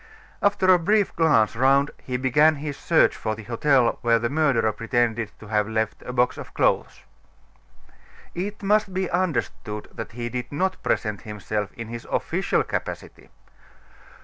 After a brief glance round, he began his search for the hotel where the murderer pretended to have left a box of clothes. It must be understood that he did not present himself in his official capacity.